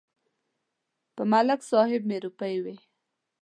په ملک صاحب مې روپۍ وې.